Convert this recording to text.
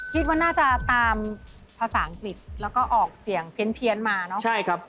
คิดว่าน่าจะตามภาษาอังกฤษแล้วก็ออกเสียงเพี้ยนมาเนอะใช่ครับ